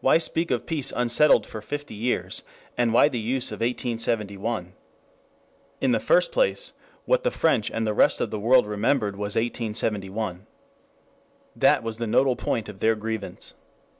Why speak of peace unsettled for "fifty years," and why the use of "1871"? In the first place, what the French and the rest of the world remembered was 1871. That was the nodal point of their grievance.